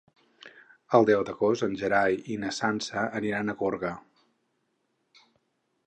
El deu d'agost en Gerai i na Sança aniran a Gorga.